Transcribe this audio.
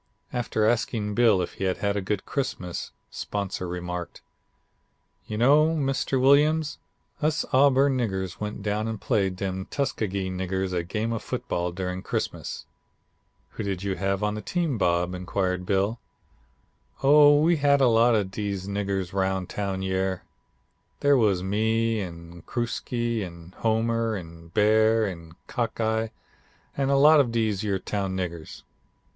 "After asking Bill if he had had a good Christmas, 'Sponsor' remarked: 'You know, Mr. Williams, us Auburn niggers went down and played dem Tuskegee niggers a game of football during Christmas.' "'Who did you have on the team, Bob?' inquired Bill. "'Oh we had a lot of dese niggers roun' town yere. They was me, an' Crooksie, an' Homer, an' Bear, an' Cockeye, an' a lot of dese yer town niggers.'